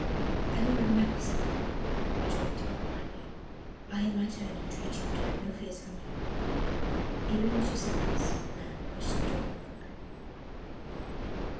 "I will remember, sir," rejoined Yvonne quietly. "I in my turn entreat you to have no fears for me." Even while she said this, the man pushed the door open.